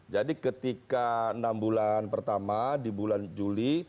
jadi ketika enam bulan pertama di bulan juli